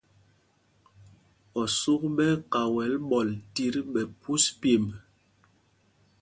Osûk ɓɛ́ ɛ́ kawɛl ɓɔl tit ɓɛ phūs pyêmb ê.